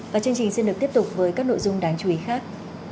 và chương trình xin được tiếp tục với các nội dung đáng chú ý khác